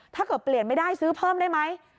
ถ้าเกิดเปลี่ยนไม่ได้ซื้อเพิ่มได้ไหม